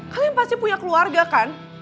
kalian pasti punya keluarga kan